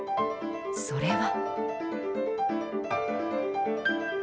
それは。